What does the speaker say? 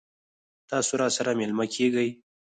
تاسو راسره میلمه کیږئ؟